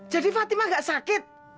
jadi fatima tidak sakit